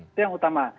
itu yang utama